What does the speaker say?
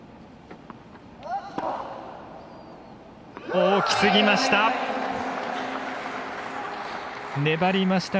大きすぎました。